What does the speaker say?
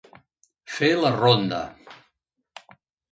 Fer la ronda.